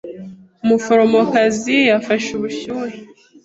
Umuforomokazi yafashe ubushyuhe.